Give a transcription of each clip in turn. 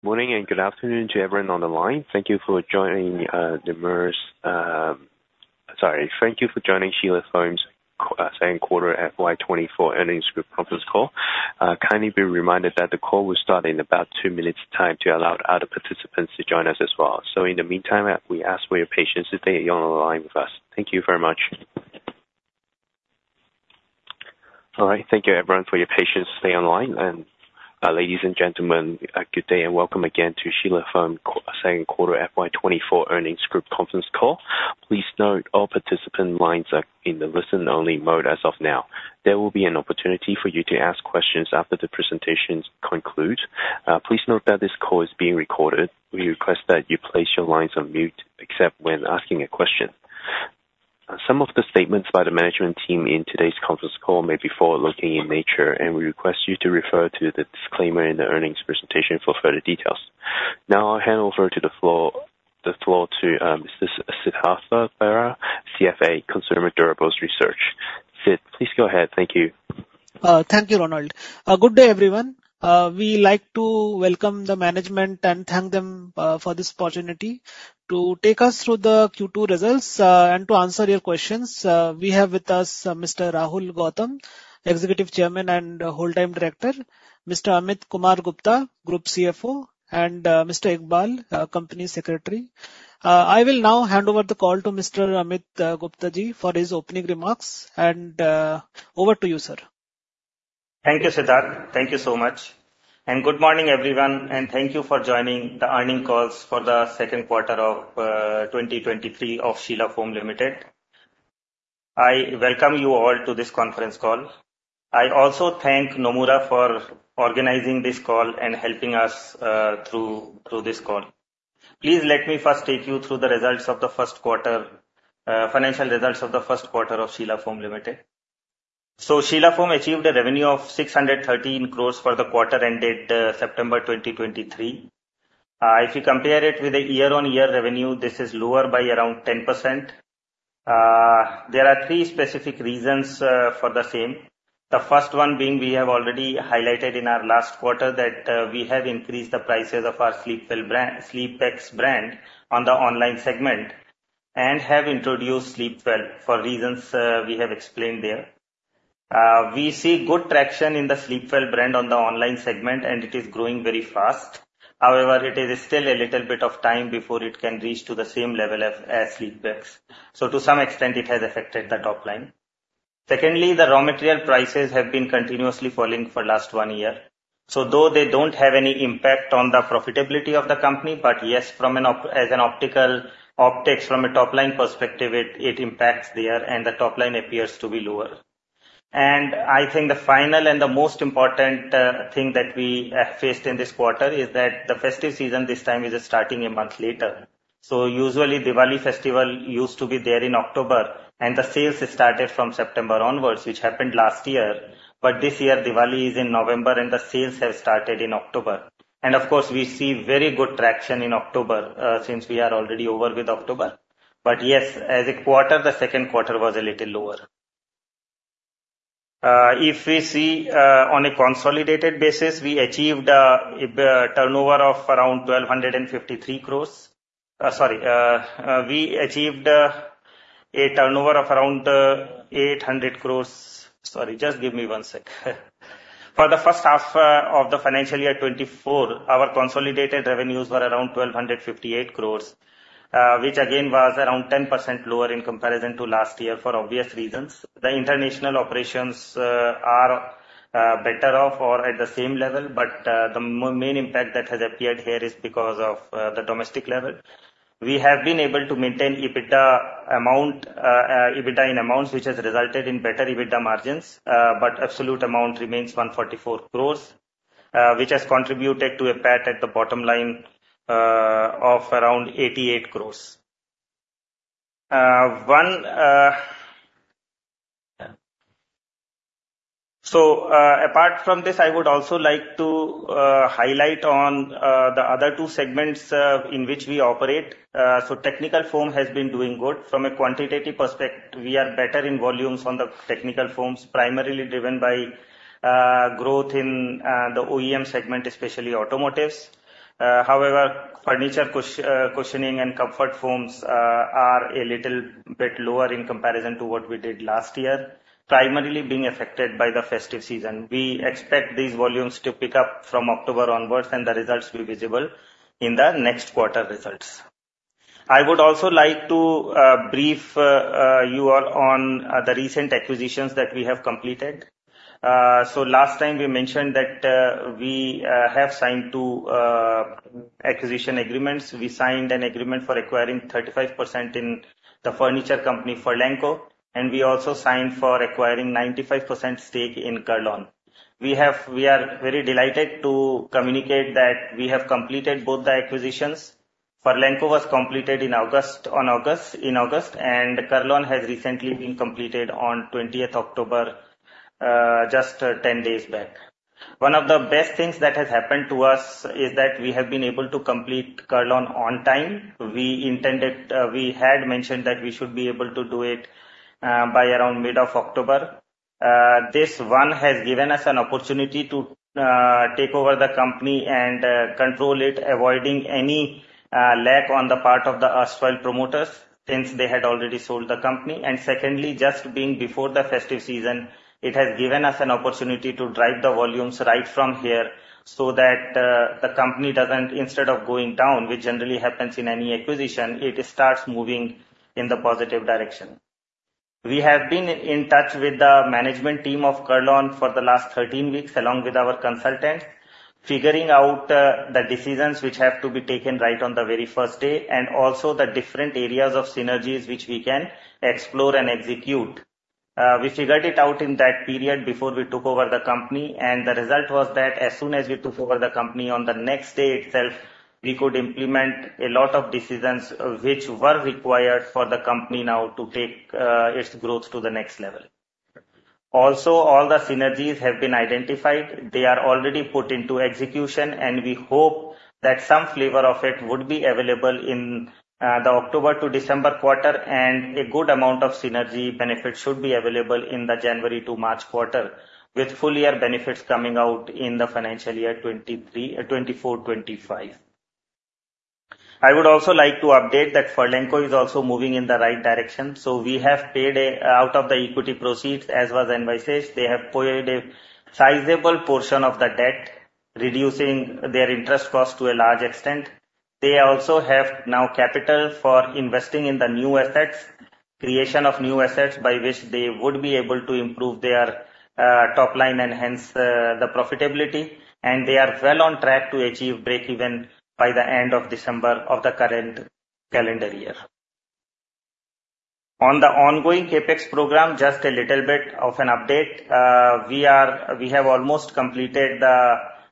Morning and good afternoon to everyone on the line. Thank you for joining Sheela Foam's Quarter FY24 Earnings Group conference call. Kindly be reminded that the call will start in about two minutes' time to allow other participants to join us as well. So in the meantime, we ask for your patience to stay on the line with us. Thank you very much. All right. Thank you, everyone, for your patience. Stay online. Ladies and gentlemen, good day and welcome again to Sheela Foam Quarter FY24 Earnings Group conference call. Please note all participant lines are in the listen-only mode as of now. There will be an opportunity for you to ask questions after the presentations conclude. Please note that this call is being recorded. We request that you place your lines on mute except when asking a question. Some of the statements by the management team in today's conference call may be forward-looking in nature, and we request you to refer to the disclaimer in the earnings presentation for further details. Now I'll hand over the floor to Mr. Siddhartha Bera, CFA, Consumer Durables Research. Sid, please go ahead. Thank you. Thank you, Ronald. Good day, everyone. We like to welcome the management and thank them, for this opportunity to take us through the Q2 results, and to answer your questions. We have with us, Mr. Rahul Gautam, Executive Chairman and Whole-Time Director, Mr. Amit Kumar Gupta, Group CFO; and, Mr. Iqbal, Company Secretary. I will now hand over the call to Mr. Amit Guptaji for his opening remarks and, over to you, sir. Thank you, Siddhartha. Thank you so much. And good morning, everyone, and thank you for joining the earnings call for the second quarter of 2023 of Sheela Foam Limited. I welcome you all to this conference call. I also thank Nomura for organizing this call and helping us through this call. Please let me first take you through the results of the first quarter, financial results of the first quarter of Sheela Foam Limited. So Sheela Foam achieved a revenue of 613 crore for the quarter ended September 2023. If you compare it with the year-on-year revenue, this is lower by around 10%. There are three specific reasons for the same. The first one being we have already highlighted in our last quarter that we have increased the prices of our Sleepwell brand SleepX brand on the online segment and have introduced Sleepwell for reasons we have explained there. We see good traction in the Sleepwell brand on the online segment and it is growing very fast. However, it is still a little bit of time before it can reach to the same level as SleepX. So to some extent, it has affected the top line. Secondly, the raw material prices have been continuously falling for the last one year. So though they don't have any impact on the profitability of the company, but yes, from an optics perspective, it impacts there and the top line appears to be lower. And I think the final and the most important thing that we faced in this quarter is that the festive season this time is starting a month later. So usually, Diwali festival used to be there in October and the sales started from September onwards, which happened last year. But this year, Diwali is in November and the sales have started in October. And of course, we see very good traction in October, since we are already over with October. But yes, as a quarter, the second quarter was a little lower. If we see, on a consolidated basis, we achieved a turnover of around 1,253 crores. Sorry, we achieved a turnover of around 800 crores. Sorry, just give me one sec. For the first half of the financial year 2024, our consolidated revenues were around 1,258 crores, which again was around 10% lower in comparison to last year for obvious reasons. The international operations are better off or at the same level, but the main impact that has appeared here is because of the domestic level. We have been able to maintain EBITDA amount, EBITDA in amounts, which has resulted in better EBITDA margins, but absolute amount remains 144 crore, which has contributed to a PAT at the bottom line, of around 88 crore. One, so, apart from this, I would also like to highlight on the other two segments, in which we operate. So technical foam has been doing good. From a quantitative perspective, we are better in volumes on the technical foams, primarily driven by growth in the OEM segment, especially automotives. However, furniture cushioning and comfort foams are a little bit lower in comparison to what we did last year, primarily being affected by the festive season. We expect these volumes to pick up from October onwards and the results be visible in the next quarter results. I would also like to brief you all on the recent acquisitions that we have completed. Last time we mentioned that we have signed two acquisition agreements. We signed an agreement for acquiring 35% in the furniture company Furlenco, and we also signed for acquiring 95% stake in Kurlon. We are very delighted to communicate that we have completed both the acquisitions. Furlenco was completed in August, and Kurlon has recently been completed on 20th October, just 10 days back. One of the best things that has happened to us is that we have been able to complete Kurlon on time. We had mentioned that we should be able to do it by around mid of October. This one has given us an opportunity to take over the company and control it, avoiding any lack on the part of the erstwhile promoters since they had already sold the company. And secondly, just being before the festive season, it has given us an opportunity to drive the volumes right from here so that the company doesn't, instead of going down, which generally happens in any acquisition, it starts moving in the positive direction. We have been in touch with the management team of Kurlon for the last 13 weeks along with our consultants, figuring out the decisions which have to be taken right on the very first day and also the different areas of synergies which we can explore and execute. We figured it out in that period before we took over the company, and the result was that as soon as we took over the company on the next day itself, we could implement a lot of decisions which were required for the company now to take its growth to the next level. Also, all the synergies have been identified. They are already put into execution, and we hope that some flavor of it would be available in the October to December quarter, and a good amount of synergy benefit should be available in the January to March quarter, with full-year benefits coming out in the financial year 2023, 2024, 2025. I would also like to update that Furlenco is also moving in the right direction. So we have paid out of the equity proceeds as was much. They have paid a sizable portion of the debt, reducing their interest cost to a large extent. They also have now capital for investing in the new assets, creation of new assets by which they would be able to improve their top line and hence the profitability. They are well on track to achieve break-even by the end of December of the current calendar year. On the ongoing CapEx program, just a little bit of an update. We have almost completed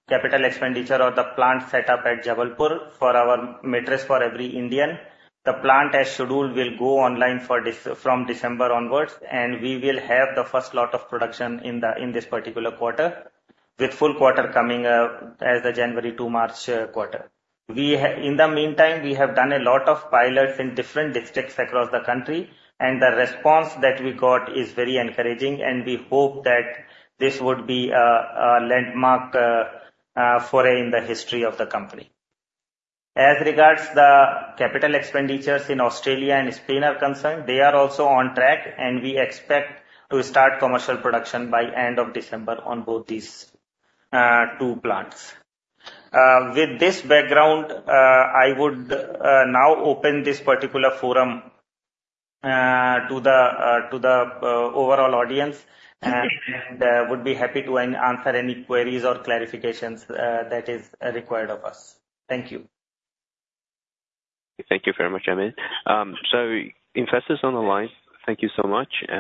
the capital expenditure for the plant setup at Jabalpur for our Mattress for Every Indian. The plant, as scheduled, will go online for dispatch from December onwards, and we will have the first lot of production in this particular quarter, with full quarter coming as the January to March quarter. In the meantime, we have done a lot of pilots in different districts across the country, and the response that we got is very encouraging, and we hope that this would be a landmark foray in the history of the company. As regards the capital expenditures in Australia and Spain are concerned, they are also on track, and we expect to start commercial production by end of December on both these two plants. With this background, I would now open this particular forum to the overall audience and would be happy to answer any queries or clarifications that is required of us. Thank you. Thank you very much, Amit. So, investors on the line, thank you so much. We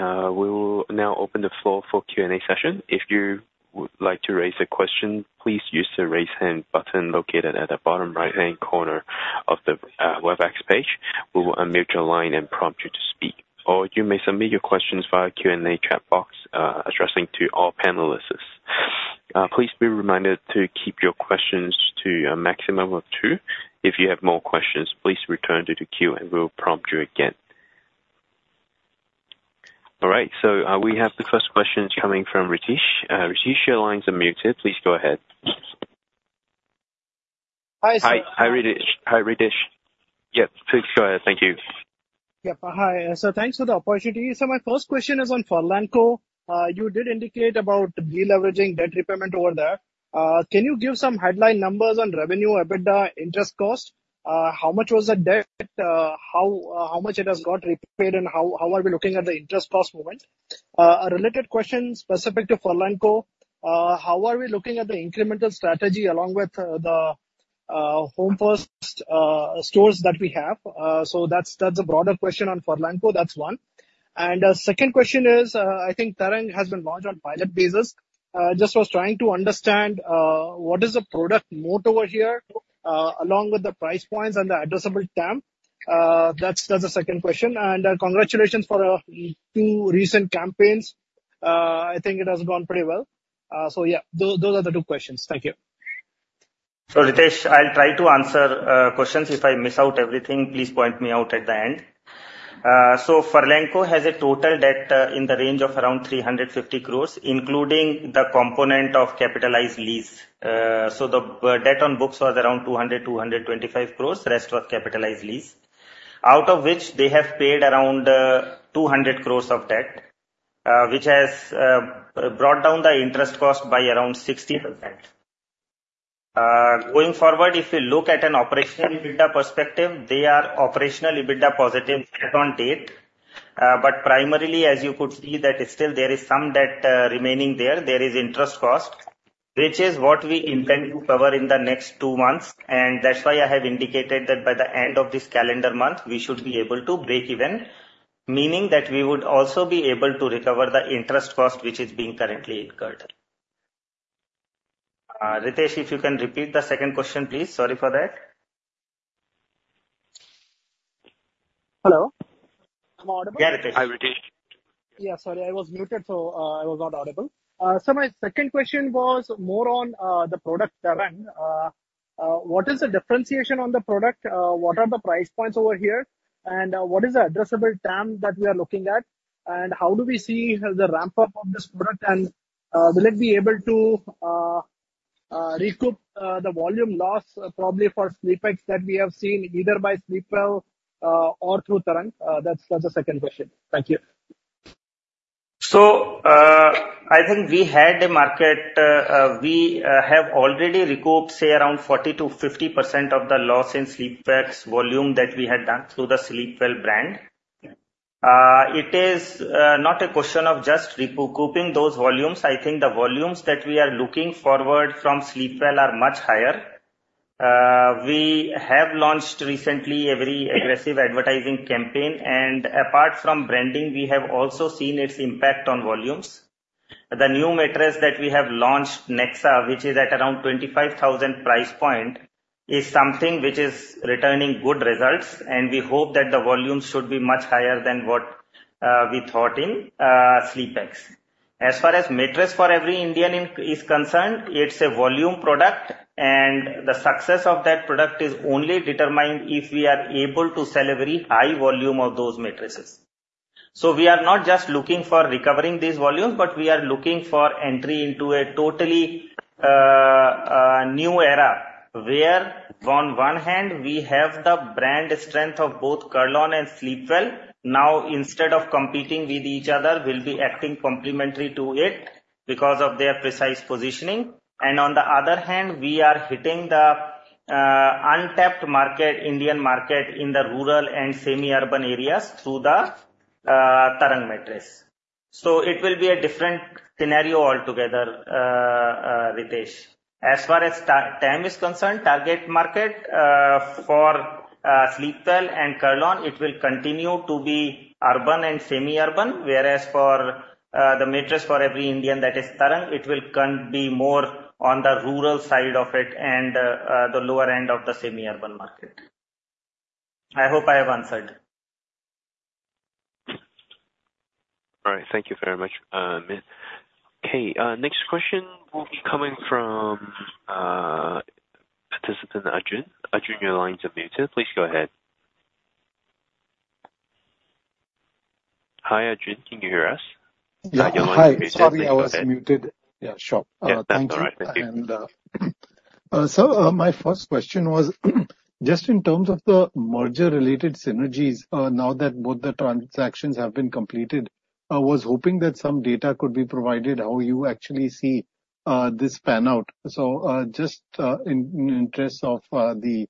will now open the floor for Q&A session. If you would like to raise a question, please use the raise hand button located at the bottom right-hand corner of the WebEx page. We will unmute your line and prompt you to speak. Or you may submit your questions via Q&A chat box, addressing to all panelists. Please be reminded to keep your questions to a maximum of two. If you have more questions, please return to the queue and we will prompt you again. All right. So, we have the first questions coming from Ritesh. Ritesh, your line's unmuted. Please go ahead. Hi, sir. Hi, hi Ritesh. Hi Ritesh. Yep. Please go ahead. Thank you. Yep. Hi. So thanks for the opportunity. So my first question is on Furlenco. You did indicate about re-leveraging debt repayment over there. Can you give some headline numbers on revenue, EBITDA, interest cost? How much was the debt? How much it has got repaid and how are we looking at the interest cost moment? A related question specific to Furlenco. How are we looking at the incremental strategy along with the home-first stores that we have? So that's a broader question on Furlenco. That's one. And a second question is, I think Tarang has been launched on pilot basis. Just was trying to understand what is the product moat over here, along with the price points and the addressable TAM? That's a second question. And congratulations for two recent campaigns. I think it has gone pretty well. So yeah, those are the two questions. Thank you. So, Ritesh, I'll try to answer questions. If I miss out everything, please point me out at the end. Furlenco has a total debt in the range of around 350 crores, including the component of capitalized lease. The net debt on books was around 200-225 crores. Rest was capitalized lease. Out of which, they have paid around 200 crores of debt, which has brought down the interest cost by around 60%. Going forward, if you look at an operational EBITDA perspective, they are operational EBITDA positive as on date. But primarily, as you could see, that is still there is some debt remaining there. There is interest cost, which is what we intend to cover in the next two months. That's why I have indicated that by the end of this calendar month, we should be able to break-even, meaning that we would also be able to recover the interest cost which is being currently incurred. Ritesh, if you can repeat the second question, please. Sorry for that. Hello? I'm audible. Yeah, Ritesh. Yeah, sorry. I was muted, so I was not audible. So my second question was more on the product, Tarang. What is the differentiation on the product? What are the price points over here? And what is the addressable TAM that we are looking at? And how do we see the ramp-up of this product? And will it be able to recoup the volume loss probably for SleepX that we have seen either by Sleepwell or through Tarang? That's the second question. Thank you. So, I think we had a market we have already recouped, say, around 40%-50% of the loss in SleepX volume that we had done through the Sleepwell brand. It is not a question of just recouping those volumes. I think the volumes that we are looking forward from Sleepwell are much higher. We have launched recently a very aggressive advertising campaign. And apart from branding, we have also seen its impact on volumes. The new mattress that we have launched, Nexa, which is at around 25,000 price point, is something which is returning good results. And we hope that the volume should be much higher than what we thought in SleepX. As far as Mattress for Every Indian in is concerned, it's a volume product, and the success of that product is only determined if we are able to sell a very high volume of those mattresses. So we are not just looking for recovering these volumes, but we are looking for entry into a totally new era where, on one hand, we have the brand strength of both Kurlon and Sleepwell. Now, instead of competing with each other, we'll be acting complementary to it because of their precise positioning. And on the other hand, we are hitting the untapped market, Indian market, in the rural and semi-urban areas through the Tarang mattress. So it will be a different scenario altogether, Ritesh. As far as the TAM is concerned, target market, for Sleepwell and Kurlon, it will continue to be urban and semi-urban. Whereas for the Mattress for Every Indian, that is Tarang, it will be more on the rural side of it and the lower end of the semi-urban market. I hope I have answered. All right. Thank you very much, Amit. Okay. Next question will be coming from participant Arjun. Arjun, your line's unmuted. Please go ahead. Hi, Arjun. Can you hear us? Yeah. Hi. Sorry. I was muted. Yeah. Sure. Thank you. That's all right. Thank you. So, my first question was just in terms of the merger-related synergies, now that both the transactions have been completed. I was hoping that some data could be provided how you actually see this pan out. So, just in the interest of the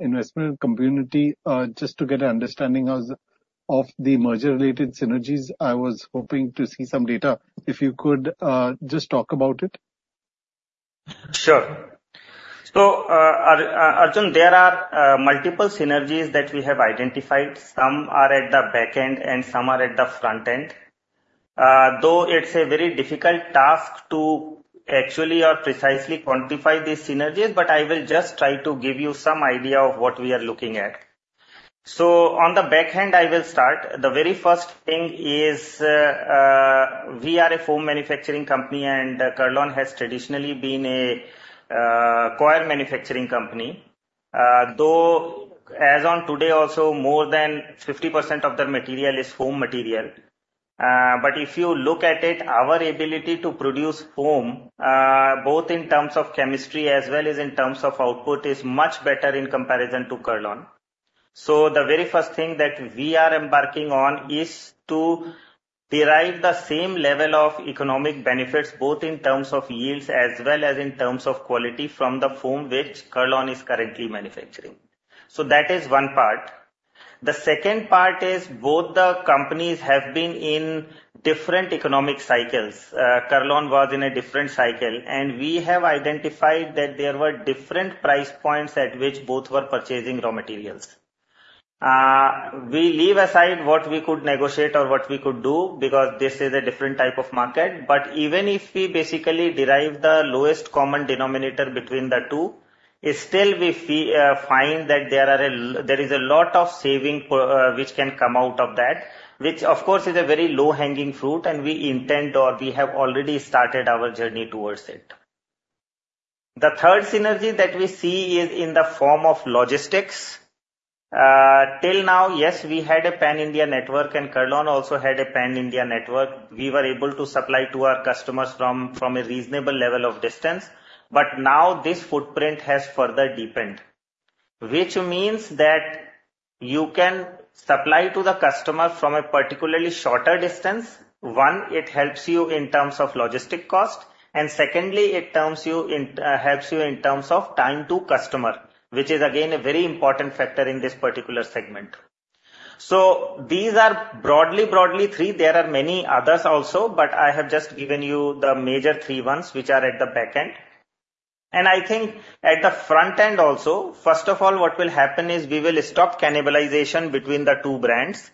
investment community, just to get an understanding of the merger-related synergies, I was hoping to see some data. If you could just talk about it. Sure. So, Arjun, there are multiple synergies that we have identified. Some are at the back end and some are at the front end. Though it's a very difficult task to actually or precisely quantify these synergies, but I will just try to give you some idea of what we are looking at. So on the back end, I will start. The very first thing is, we are a foam manufacturing company, and Kurlon has traditionally been a coir manufacturing company. Though as on today, also, more than 50% of their material is foam material. But if you look at it, our ability to produce foam, both in terms of chemistry as well as in terms of output is much better in comparison to Kurlon. So the very first thing that we are embarking on is to derive the same level of economic benefits both in terms of yields as well as in terms of quality from the foam which Kurlon is currently manufacturing. So that is one part. The second part is both the companies have been in different economic cycles. Kurlon was in a different cycle, and we have identified that there were different price points at which both were purchasing raw materials. We leave aside what we could negotiate or what we could do because this is a different type of market. But even if we basically derive the lowest common denominator between the two, it's still we find that there is a lot of saving potential, which can come out of that, which, of course, is a very low-hanging fruit, and we intend or we have already started our journey towards it. The third synergy that we see is in the form of logistics. Till now, yes, we had a pan-India network, and Kurlon also had a pan-India network. We were able to supply to our customers from a reasonable level of distance. But now this footprint has further deepened, which means that you can supply to the customer from a particularly shorter distance. One, it helps you in terms of logistic cost. And secondly, it turns you in, helps you in terms of time to customer, which is, again, a very important factor in this particular segment. So these are broadly, broadly three. There are many others also, but I have just given you the major three ones which are at the back end. And I think at the front end also, first of all, what will happen is we will stop cannibalization between the two brands.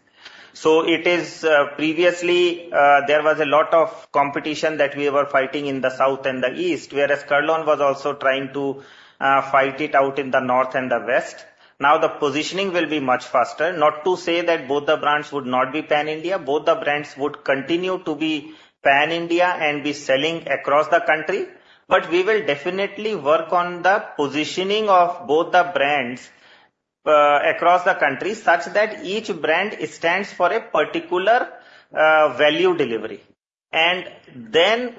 So it is, previously, there was a lot of competition that we were fighting in the south and the east, whereas Kurlon was also trying to, fight it out in the north and the west. Now the positioning will be much faster. Not to say that both the brands would not be Pan-India. Both the brands would continue to be Pan-India and be selling across the country. But we will definitely work on the positioning of both the brands, across the country such that each brand stands for a particular, value delivery. And then,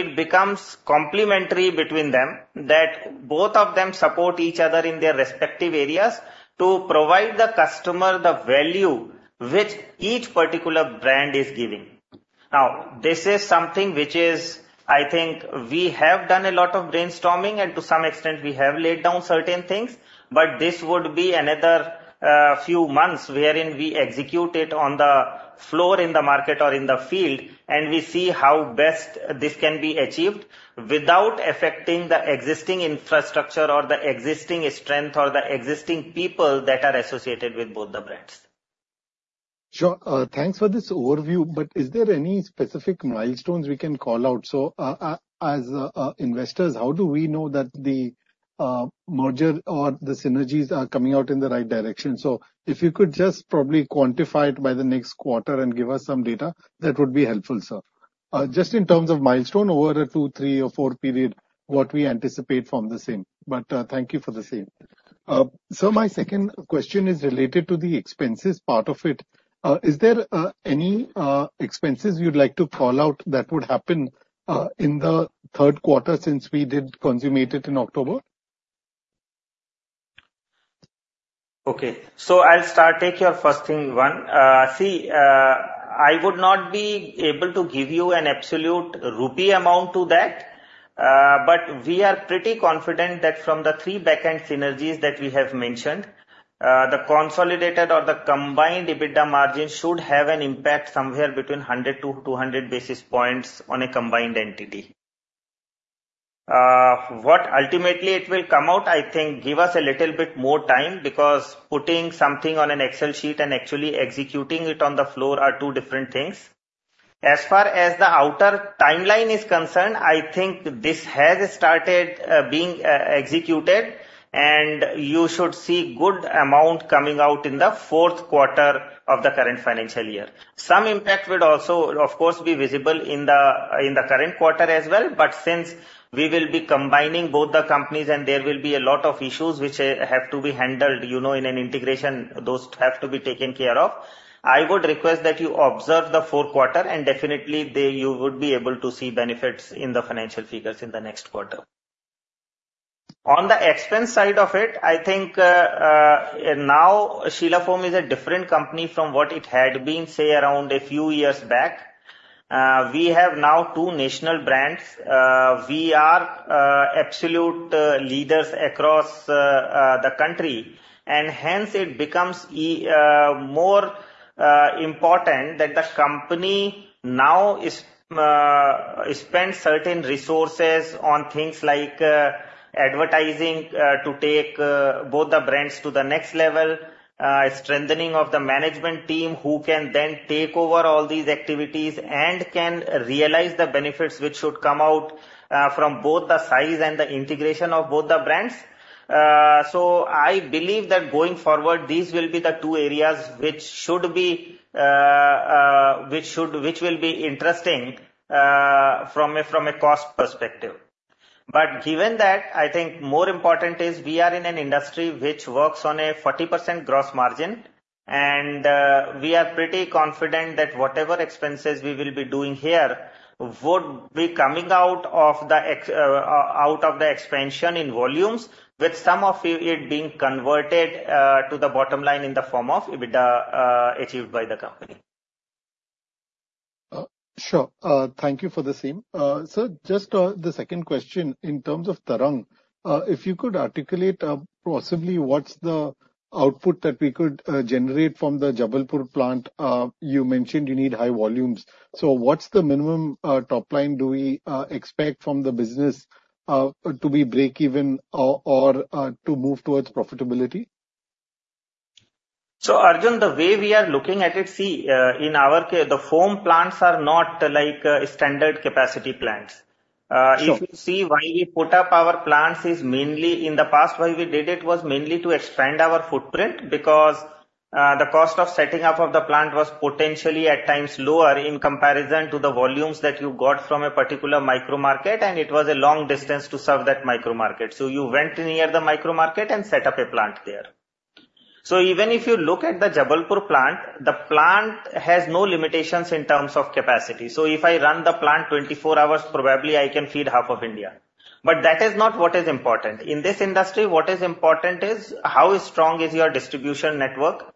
it becomes complementary between them that both of them support each other in their respective areas to provide the customer the value which each particular brand is giving. Now, this is something which is, I think, we have done a lot of brainstorming, and to some extent, we have laid down certain things. But this would be another, few months wherein we execute it on the floor in the market or in the field, and we see how best this can be achieved without affecting the existing infrastructure or the existing strength or the existing people that are associated with both the brands. Sure. Thanks for this overview. But is there any specific milestones we can call out? So, as investors, how do we know that the merger or the synergies are coming out in the right direction? So if you could just probably quantify it by the next quarter and give us some data, that would be helpful, sir. Just in terms of milestone over a two, three or four period, what we anticipate from the same. But, thank you for the same. So my second question is related to the expenses part of it. Is there any expenses you'd like to call out that would happen in the third quarter since we did consummate it in October? Okay. So I'll start. Take your first thing, one. See, I would not be able to give you an absolute INR amount to that. But we are pretty confident that from the three back-end synergies that we have mentioned, the consolidated or the combined EBITDA margin should have an impact somewhere between 100-200 basis points on a combined entity. What ultimately it will come out, I think, give us a little bit more time because putting something on an Excel sheet and actually executing it on the floor are two different things. As far as the outer timeline is concerned, I think this has started being executed, and you should see good amount coming out in the fourth quarter of the current financial year. Some impact would also, of course, be visible in the current quarter as well. But since we will be combining both the companies, and there will be a lot of issues which have to be handled, you know, in an integration, those have to be taken care of. I would request that you observe the fourth quarter, and definitely, then you would be able to see benefits in the financial figures in the next quarter. On the expense side of it, I think, now Sheela Foam is a different company from what it had been, say, around a few years back. We have now two national brands. We are absolute leaders across the country. And hence, it becomes even more important that the company now is spending certain resources on things like advertising to take both the brands to the next level, strengthening of the management team who can then take over all these activities and can realize the benefits which should come out from both the size and the integration of both the brands. So I believe that going forward, these will be the two areas which will be interesting from a cost perspective. But given that, I think more important is we are in an industry which works on a 40% gross margin. We are pretty confident that whatever expenses we will be doing here would be coming out of the expansion in volumes with some of it being converted to the bottom line in the form of EBITDA achieved by the company. Sure. Thank you for the same. So just, the second question. In terms of Tarang, if you could articulate, possibly what's the output that we could generate from the Jabalpur plant, you mentioned you need high volumes. So what's the minimum top line do we expect from the business, to be break-even or, or, to move towards profitability? So, Arjun, the way we are looking at it, see, in our case the foam plants are not, like, standard capacity plants. If you see why we put up our plants is mainly in the past, why we did it was mainly to expand our footprint because, the cost of setting up of the plant was potentially at times lower in comparison to the volumes that you got from a particular micromarket, and it was a long distance to serve that micromarket. So you went near the micromarket and set up a plant there. So even if you look at the Jabalpur plant, the plant has no limitations in terms of capacity. So if I run the plant 24 hours, probably I can feed half of India. But that is not what is important. In this industry, what is important is how strong is your distribution network,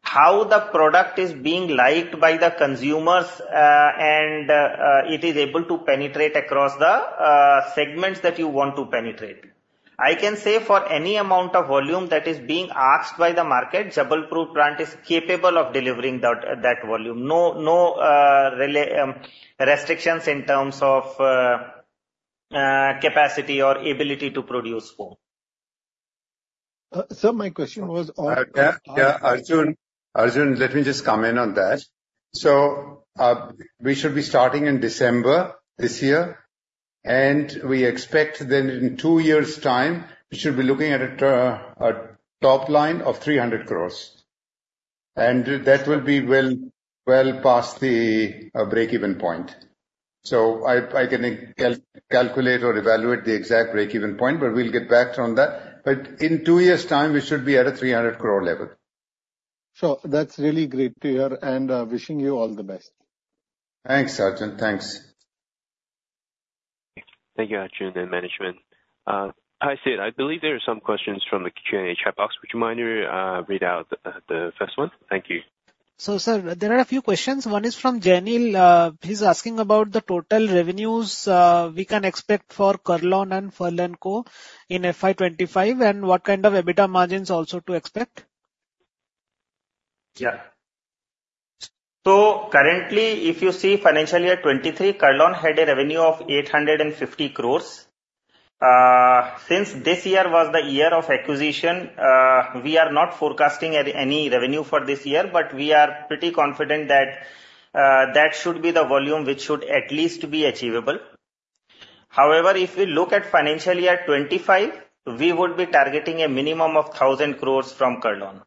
how the product is being liked by the consumers, and it is able to penetrate across the segments that you want to penetrate. I can say for any amount of volume that is being asked by the market, Jabalpur plant is capable of delivering that volume. No, no, real restrictions in terms of capacity or ability to produce foam. My question was on. Yeah, yeah. Arjun, Arjun, let me just comment on that. So, we should be starting in December this year. And we expect then in two years' time, we should be looking at a top line of 300 crore. And that will be well, well past the, break-even point. So I, I can calculate or evaluate the exact break-even point, but we'll get back on that. But in two years' time, we should be at a 300 crore level. Sure. That's really great to hear and wishing you all the best. Thanks, Arjun. Thanks. Thank you, Arjun, and management. Hi, Sid. I believe there are some questions from the Q&A chat box. Would you mind you read out the first one? Thank you. Sir, there are a few questions. One is from Janeel. He's asking about the total revenues we can expect for Kurlon and Furlenco in FY25 and what kind of EBITDA margins also to expect. Yeah. So currently, if you see financial year 2023, Kurlon had a revenue of 850 crore. Since this year was the year of acquisition, we are not forecasting at any revenue for this year, but we are pretty confident that that should be the volume which should at least be achievable. However, if we look at financial year 2025, we would be targeting a minimum of 1,000 crore from Kurlon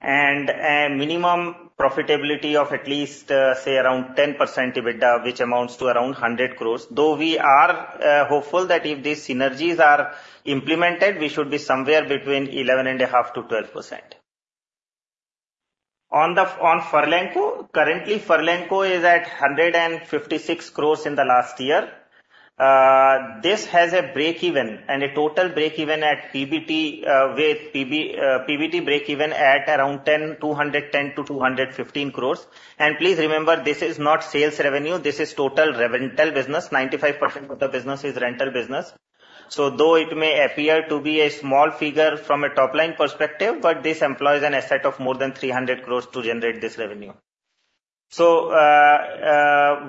and a minimum profitability of at least, say, around 10% EBITDA, which amounts to around 100 crore. Though we are hopeful that if these synergies are implemented, we should be somewhere between 11.5%-12%. On Furlenco, currently, Furlenco is at 156 crore in the last year. This has a break-even and a total break-even at PBT, with PBT break-even at around 1,210 crore- 1,215 crore. And please remember, this is not sales revenue. This is total rental business. 95% of the business is rental business. So though it may appear to be a small figure from a top line perspective, but this employs an asset of more than 300 crore to generate this revenue. So,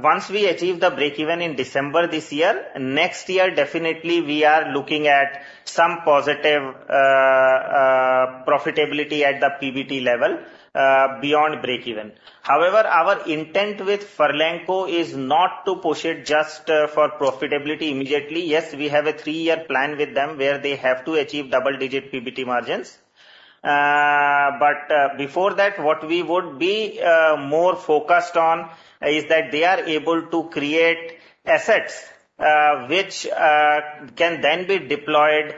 once we achieve the break-even in December this year, next year, definitely, we are looking at some positive, profitability at the PBT level, beyond break-even. However, our intent with Furlenco is not to push it just for profitability immediately. Yes, we have a three-year plan with them where they have to achieve double-digit PBT margins. But, before that, what we would be, more focused on is that they are able to create assets, which, can then be deployed,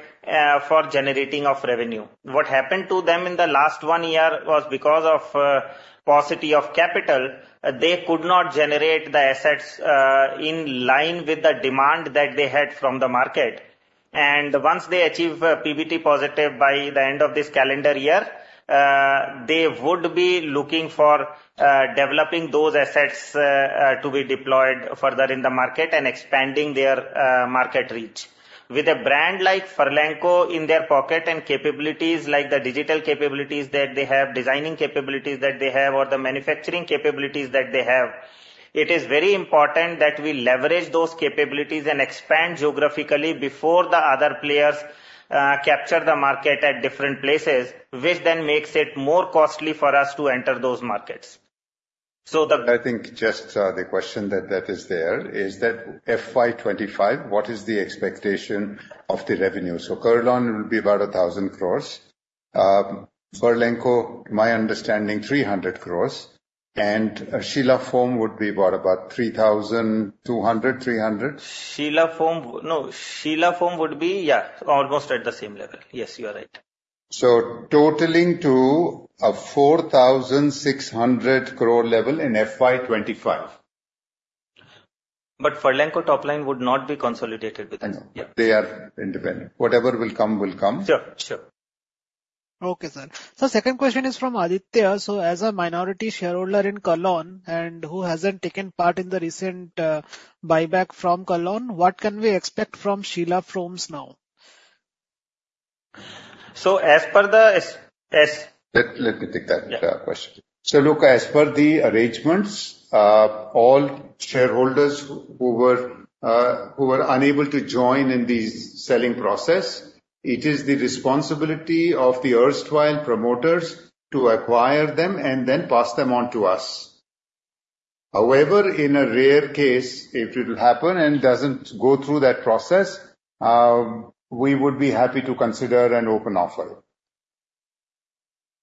for generating of revenue. What happened to them in the last one year was because of, paucity of capital. They could not generate the assets, in line with the demand that they had from the market. Once they achieve PBT positive by the end of this calendar year, they would be looking for developing those assets to be deployed further in the market and expanding their market reach. With a brand like Furlenco in their pocket and capabilities like the digital capabilities that they have, designing capabilities that they have, or the manufacturing capabilities that they have, it is very important that we leverage those capabilities and expand geographically before the other players capture the market at different places, which then makes it more costly for us to enter those markets. The. I think just, the question that is there is that FY25, what is the expectation of the revenue? So Kurlon will be about 1,000 crores. Furlenco, my understanding, 300 crores. And Sheela Foam would be about 3,200 crore-3,300 crores? Sheela Foam. No, Sheela Foam would be, yeah, almost at the same level. Yes, you are right. Totaling to a 4,600 crore level in FY25. But Furlenco top line would not be consolidated with us. No. Yeah. They are independent. Whatever will come, will come. Sure. Sure. Okay, sir. So second question is from Aditya. So as a minority shareholder in Kurlon and who hasn't taken part in the recent buyback from Kurlon, what can we expect from Sheela Foam now? So as per the s-s. Let me take that question. So look, as per the arrangements, all shareholders who were unable to join in this selling process, it is the responsibility of the erstwhile promoters to acquire them and then pass them on to us. However, in a rare case, if it will happen and doesn't go through that process, we would be happy to consider an open offer.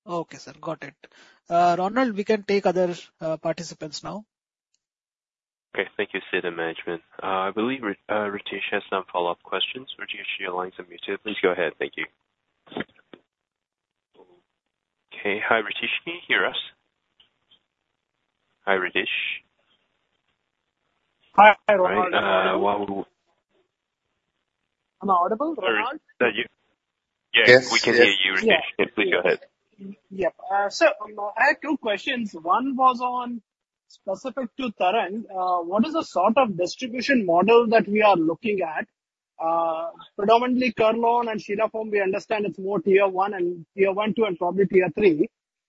Okay, sir. Got it. Ronald, we can take other participants now. Okay. Thank you, Sid, and management. I believe Ritesh has some follow-up questions. Ritesh, you're on some muted. Please go ahead. Thank you. Okay. Hi, Ritesh. Can you hear us? Hi, Ritesh. Hi, Ronald. All right. While we're. I'm audible, Ronald? Sorry. Is that you? Yes. Yes. We can hear you, Ritesh. Yes. Please go ahead. Yep. So, I had two questions. One was on specific to Tarang. What is the sort of distribution model that we are looking at? Predominantly, Kurlon and Sheela Foam, we understand it's more tier one and tier one two and probably tier three.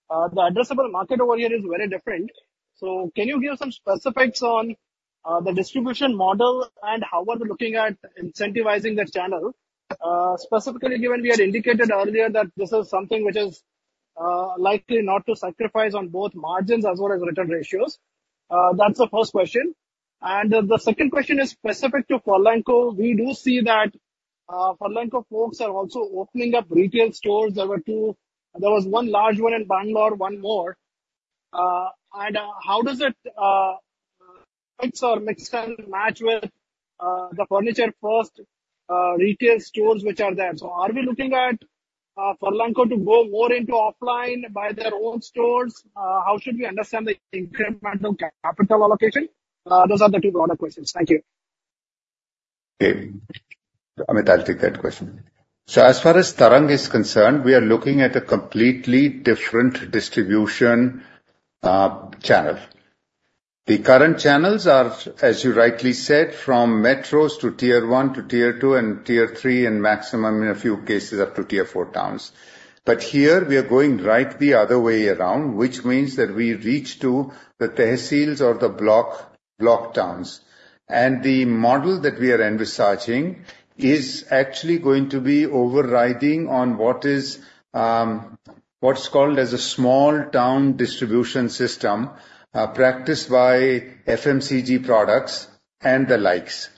The addressable market over here is very different. So can you give some specifics on the distribution model and how we're looking at incentivizing the channel? Specifically, given we had indicated earlier that this is something which is likely not to sacrifice on both margins as well as return ratios. That's the first question. And the second question is specific to Furlenco. We do see that Furlenco folks are also opening up retail stores. There were two; there was one large one in Bangalore, one more. And how does it fix or mix and match with the Furniture First retail stores which are there? So are we looking at Furlenco to go more into offline by their own stores? How should we understand the incremental capital allocation? Those are the two broader questions. Thank you. Okay. Amit, I'll take that question. So as far as Tarang is concerned, we are looking at a completely different distribution channel. The current channels are, as you rightly said, from metros to tier one to tier two and tier three and maximum, in a few cases, up to tier four towns. But here, we are going right the other way around, which means that we reach to the tehsils or the block towns. And the model that we are envisaging is actually going to be overriding on what's called as a small-town distribution system, practiced by FMCG products and the likes.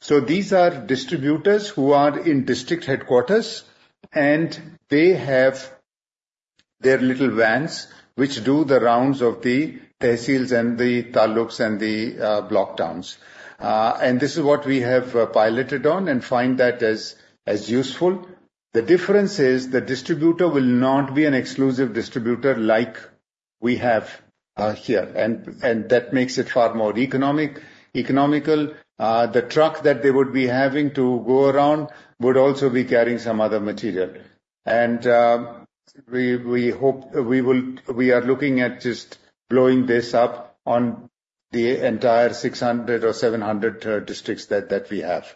So these are distributors who are in district headquarters, and they have their little vans which do the rounds of the tehsils and the taluks and the block towns. And this is what we have piloted on and find that as useful. The difference is the distributor will not be an exclusive distributor like we have, here. And that makes it far more economical. The truck that they would be having to go around would also be carrying some other material. And we hope we are looking at just blowing this up on the entire 600 or 700 districts that we have.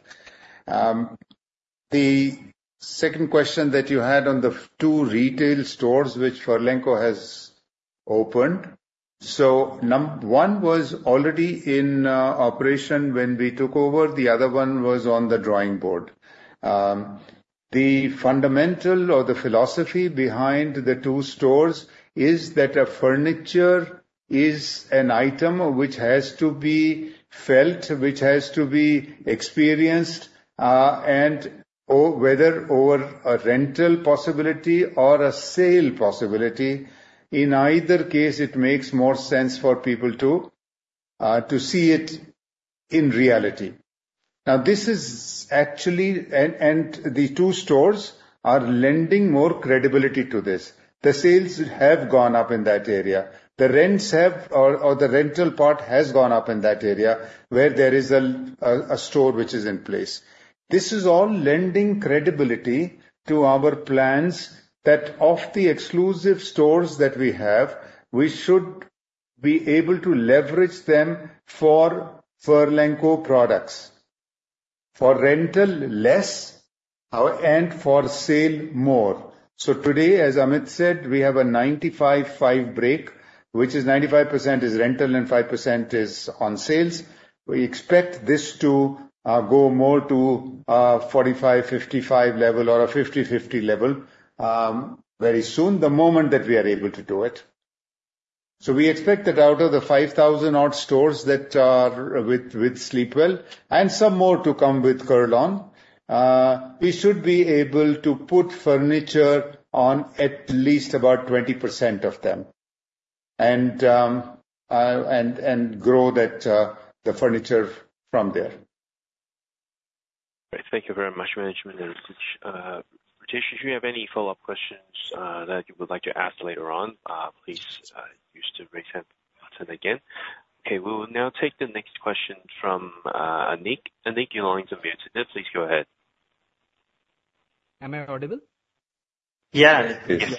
The second question that you had on the two retail stores which Furlenco has opened. So number one was already in operation when we took over. The other one was on the drawing board. The fundamental or the philosophy behind the two stores is that furniture is an item which has to be felt, which has to be experienced, and oh whether over a rental possibility or a sale possibility. In either case, it makes more sense for people to see it in reality. Now, this is actually, and the two stores are lending more credibility to this. The sales have gone up in that area. The rents have, or the rental part has gone up in that area where there is a store which is in place. This is all lending credibility to our plans that of the exclusive stores that we have, we should be able to leverage them for Furlenco products, for rental less, and for sale more. So today, as Amit said, we have a 95/5 break, which is 95% rental and 5% on sales. We expect this to go more to 45/55 level or a 50/50 level, very soon, the moment that we are able to do it. So we expect that out of the 5,000-odd stores that are with Sleepwell and some more to come with Kurlon, we should be able to put furniture on at least about 20% of them and grow that, the furniture from there. Great. Thank you very much, management and Ritesh. Ritesh, should you have any follow-up questions that you would like to ask later on, please use the raise hand button again. Okay. We will now take the next question from Anik. Anik, you're on. You're muted. Please go ahead. Am I audible? Yeah. Yes.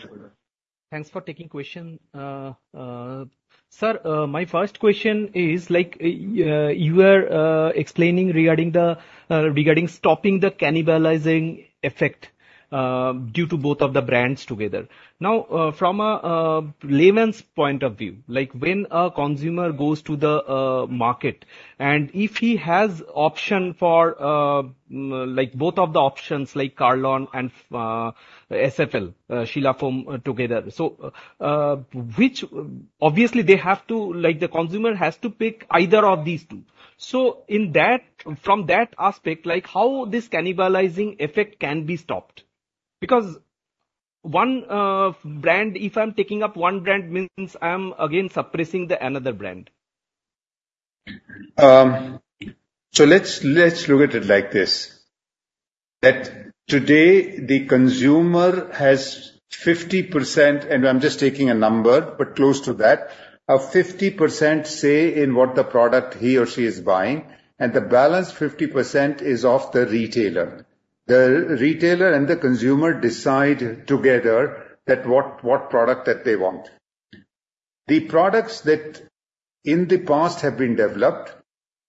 Thanks for taking question. Sir, my first question is, like, you are explaining regarding the, regarding stopping the cannibalizing effect, due to both of the brands together. Now, from a layman's point of view, like, when a consumer goes to the market and if he has option for, like both of the options, like Kurlon and SFL, Sheela Foam together, so, which obviously, they have to like, the consumer has to pick either of these two. So in that from that aspect, like, how this cannibalizing effect can be stopped? Because one brand if I'm taking up one brand means I'm again suppressing the another brand. So let's, let's look at it like this. That today, the consumer has 50% and I'm just taking a number, but close to that, of 50%, say, in what the product he or she is buying, and the balance 50% is of the retailer. The retailer and the consumer decide together that what, what product that they want. The products that in the past have been developed,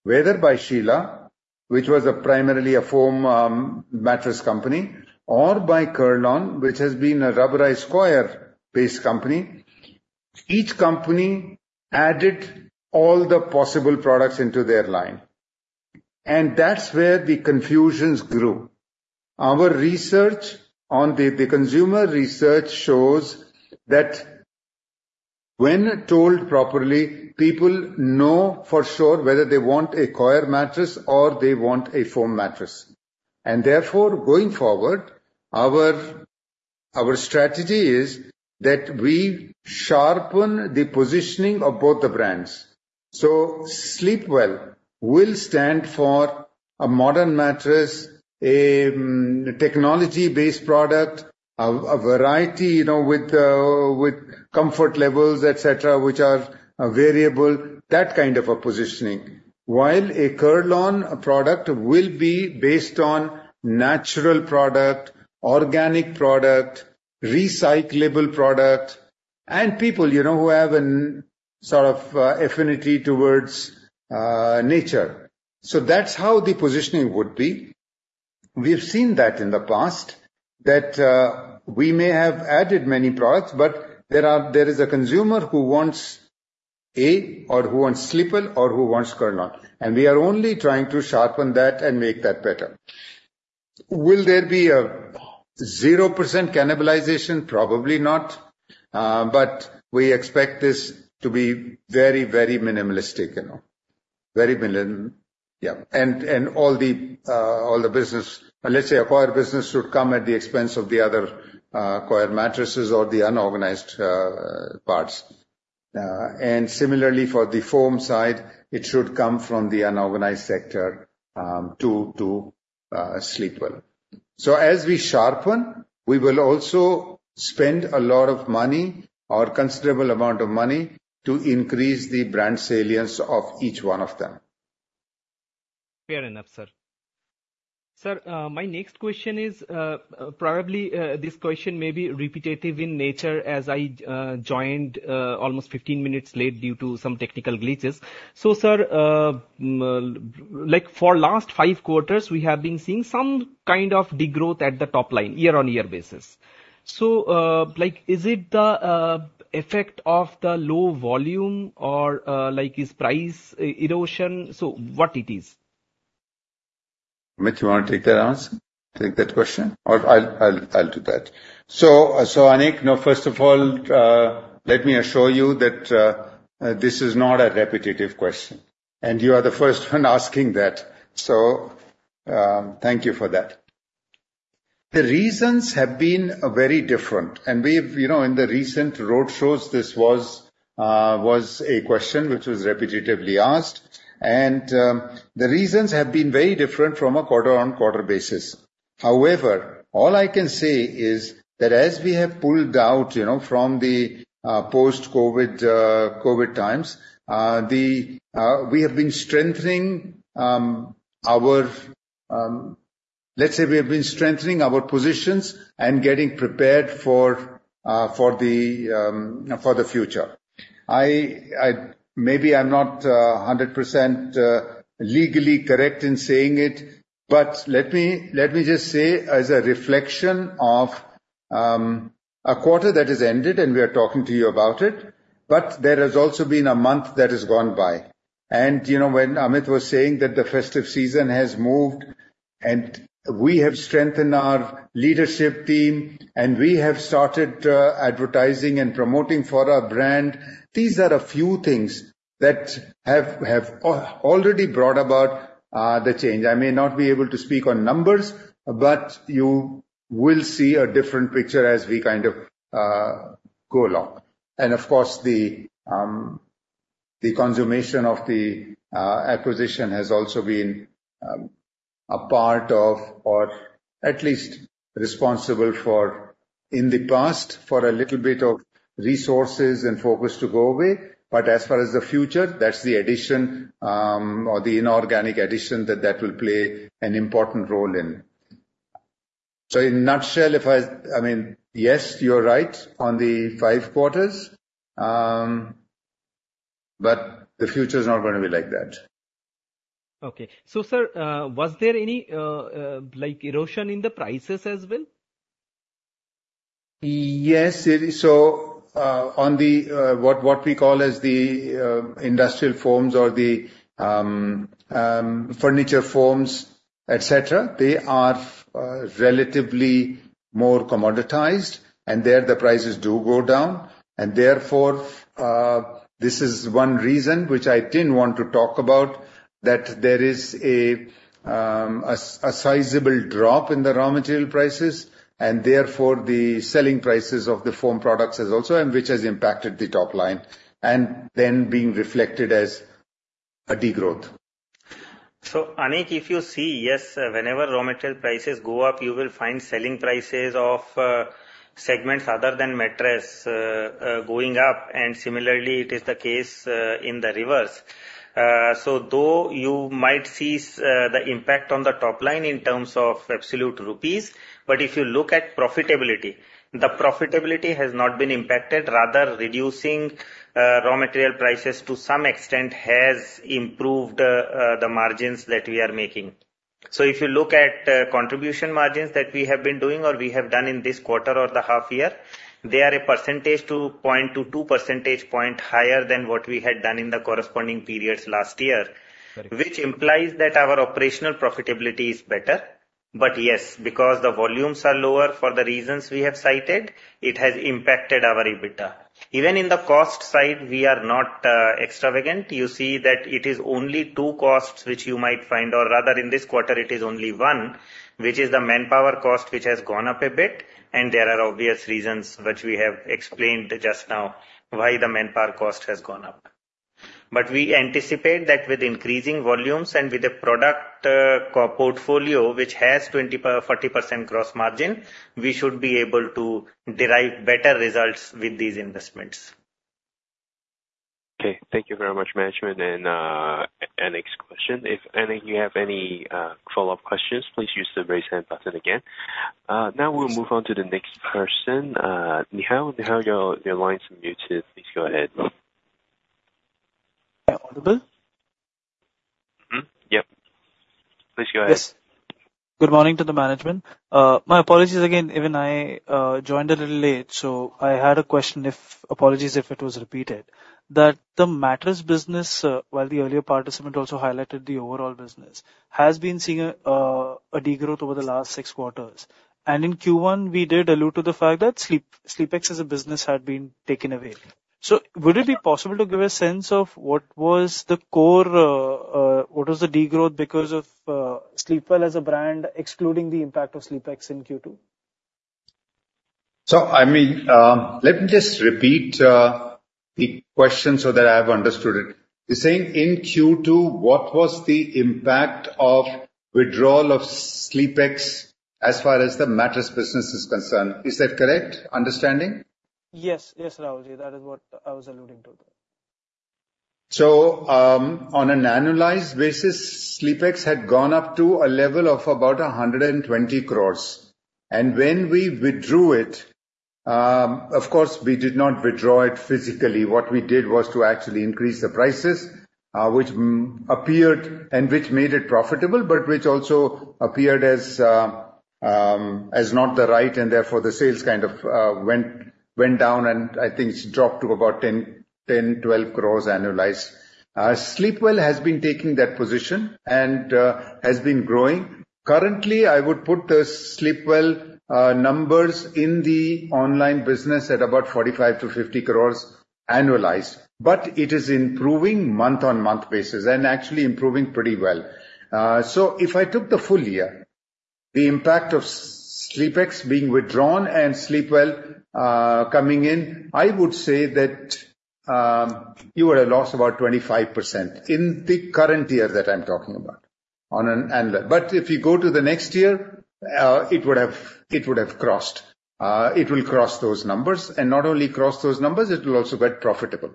whether by Sheela, which was primarily a foam, mattress company, or by Kurlon, which has been a rubberized coir-based company, each company added all the possible products into their line. And that's where the confusion grew. Our research on the, the consumer research shows that when told properly, people know for sure whether they want a coir mattress or they want a foam mattress. And therefore, going forward, our, our strategy is that we sharpen the positioning of both the brands. So Sleepwell will stand for a modern mattress, a technology-based product, a variety, you know, with comfort levels, etc., which are variable, that kind of a positioning, while a Kurlon product will be based on natural product, organic product, recyclable product, and people, you know, who have a sort of affinity towards nature. So that's how the positioning would be. We have seen that in the past, that we may have added many products, but there is a consumer who wants a or who wants Sleepwell or who wants Kurlon. And we are only trying to sharpen that and make that better. Will there be a 0% cannibalization? Probably not. But we expect this to be very, very minimalistic, you know, very minim yeah. All the business, let's say organized business, should come at the expense of the other organized mattresses or the unorganized parts. Similarly, for the foam side, it should come from the unorganized sector to Sleepwell. So as we sharpen, we will also spend a lot of money or considerable amount of money to increase the brand salience of each one of them. Fair enough, sir. Sir, my next question is, probably, this question may be repetitive in nature as I joined almost 15 minutes late due to some technical glitches. So, sir, I'm like, for last five quarters, we have been seeing some kind of degrowth at the top line year-over-year basis. So, like, is it the effect of the low volume or, like, is price erosion so what it is? Amit, you want to take that answer? Take that question? Or I'll do that. So, Anik, no, first of all, let me assure you that this is not a repetitive question. And you are the first one asking that. So, thank you for that. The reasons have been very different. And we've, you know, in the recent roadshows, this was a question which was repetitively asked. And the reasons have been very different from a quarter-on-quarter basis. However, all I can say is that as we have pulled out, you know, from the post-COVID COVID times, we have been strengthening our positions and getting prepared for the future. I maybe I'm not 100% legally correct in saying it, but let me just say as a reflection of a quarter that has ended, and we are talking to you about it, but there has also been a month that has gone by. You know, when Amit was saying that the festive season has moved and we have strengthened our leadership team and we have started advertising and promoting for our brand, these are a few things that have already brought about the change. I may not be able to speak on numbers, but you will see a different picture as we kind of go along. Of course, the consummation of the acquisition has also been a part of or at least responsible for in the past for a little bit of resources and focus to go away. But as far as the future, that's the addition, or the inorganic addition that that will play an important role in. So in a nutshell, if I I mean, yes, you're right on the five quarters. But the future is not going to be like that. Okay. So, sir, was there any, like, erosion in the prices as well? Yes, it's so. On what we call as the industrial foams or the furniture foams, etc., they are relatively more commoditized, and there the prices do go down. Therefore, this is one reason which I didn't want to talk about, that there is a sizable drop in the raw material prices, and therefore, the selling prices of the foam products as also and which has impacted the top line and then being reflected as a degrowth. So Anik, if you see yes, whenever raw material prices go up, you will find selling prices of segments other than mattress going up. And similarly, it is the case in the reverse. So though you might see the impact on the top line in terms of absolute INR, but if you look at profitability, the profitability has not been impacted. Rather, reducing raw material prices to some extent has improved the margins that we are making. So if you look at contribution margins that we have been doing or we have done in this quarter or the half year, they are 1 to 2 percentage points higher than what we had done in the corresponding periods last year, which implies that our operational profitability is better. But yes, because the volumes are lower for the reasons we have cited, it has impacted our EBITDA. Even in the cost side, we are not extravagant. You see that it is only two costs which you might find. Or rather, in this quarter, it is only one, which is the manpower cost which has gone up a bit. And there are obvious reasons which we have explained just now why the manpower cost has gone up. But we anticipate that with increasing volumes and with a product core portfolio which has 20%-40% gross margin, we should be able to derive better results with these investments. Okay. Thank you very much, management. And Anik's question. If Anik, you have any follow-up questions, please use the raise hand button again. Now we'll move on to the next person. Nihal, Nihal, your line's muted. Please go ahead. Am I audible? Mm-hmm. Yep. Please go ahead. Yes. Good morning to the management. My apologies again. Even I joined a little late. So I had a question, apologies if it was repeated, that the mattress business, while the earlier participant also highlighted the overall business, has been seeing a degrowth over the last six quarters. And in Q1, we did allude to the fact that SleepX as a business had been taken away. So would it be possible to give a sense of what was the core, what was the degrowth because of Sleepwell as a brand, excluding the impact of SleepX in Q2? So, I mean, let me just repeat, the question so that I've understood it. You're saying in Q2, what was the impact of withdrawal of SleepX as far as the mattress business is concerned? Is that correct understanding? Yes. Yes, Rahul. That is what I was alluding to there. So, on an annualized basis, SleepX had gone up to a level of about 120 crores. And when we withdrew it, of course, we did not withdraw it physically. What we did was to actually increase the prices, which appeared and which made it profitable, but which also appeared as not the right. And therefore, the sales kind of went down. And I think it dropped to about 10, 10, 12 crores annualized. Sleepwell has been taking that position and has been growing. Currently, I would put the Sleepwell numbers in the online business at about 45 crores-50 crores annualized. But it is improving on a month-on-month basis and actually improving pretty well. So if I took the full year, the impact of SleepX being withdrawn and Sleepwell coming in, I would say that you would have lost about 25% in the current year that I'm talking about on an annual. But if you go to the next year, it would have crossed. It will cross those numbers. And not only cross those numbers, it will also get profitable.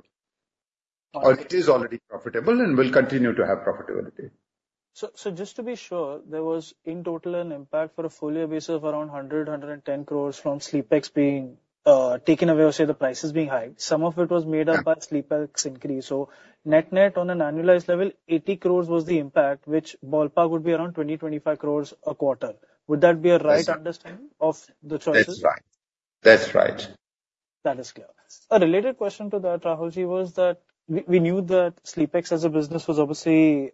Or it is already profitable and will continue to have profitability. So, so just to be sure, there was in total an impact for a full year basis of around 100-110 crores from SleepX being taken away or, say, the prices being high. Some of it was made up by SleepX increase. So net-net on an annualized level, 80 crores was the impact, which ballpark would be around 20-25 crores a quarter. Would that be a right understanding of the choices? That's right. That's right. That is clear. A related question to that, Rahulji, was that we, we knew that SleepX as a business was obviously,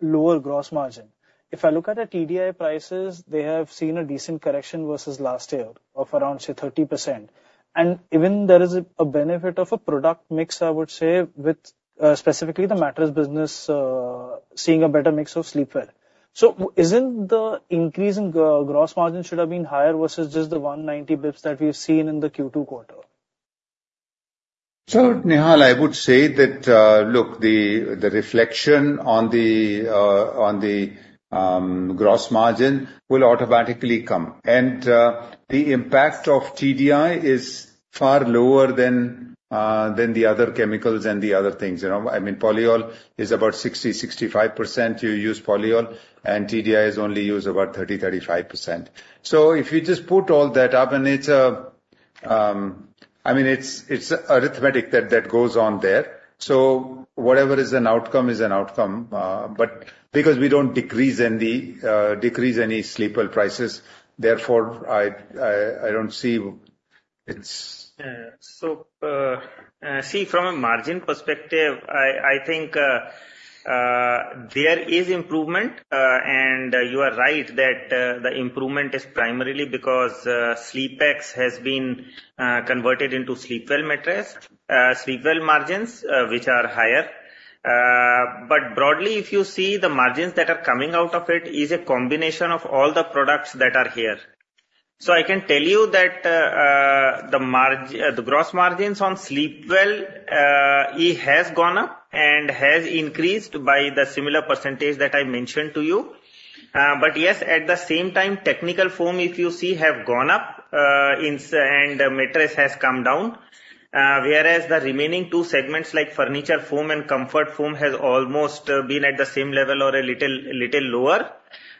lower gross margin. If I look at the TDI prices, they have seen a decent correction versus last year of around, say, 30%. And even there is a, a benefit of a product mix, I would say, with, specifically the mattress business, seeing a better mix of Sleepwell. So isn't the increase in gross margin should have been higher versus just the 190 basis points that we've seen in the Q2 quarter? So, Nihal, I would say that, look, the reflection on the gross margin will automatically come. And, the impact of TDI is far lower than the other chemicals and the other things, you know. I mean, Polyol is about 60%-65%. You use Polyol. And TDI is only used about 30%-35%. So if you just put all that up and it's a, I mean, it's arithmetic that goes on there. So whatever is an outcome is an outcome. But because we don't decrease any Sleepwell prices, therefore, I don't see it. Yeah. So, see, from a margin perspective, I, I think, there is improvement. You are right that the improvement is primarily because SleepX has been converted into Sleepwell mattress. Sleepwell margins, which are higher. Broadly, if you see, the margins that are coming out of it is a combination of all the products that are here. So I can tell you that the gross margins on Sleepwell, it has gone up and has increased by the similar percentage that I mentioned to you. Yes, at the same time, technical foam, if you see, have gone up and the mattress has come down, whereas the remaining two segments, like furniture foam and comfort foam, have almost been at the same level or a little, little lower.